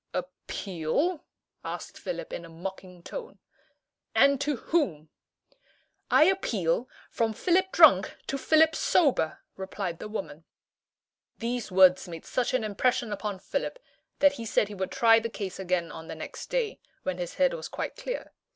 "Appeal?" asked Philip, in a mocking tone, "and to whom?" "I appeal from Philip drunk to Philip sober!" replied the woman. These words made such an impression upon Philip, that he said he would try the case again on the next day, when his head was quite clear.